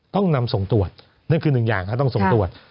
ต้องนำส่งตรวจนั่นคือหนึ่งอย่างต้องส่งตรวจ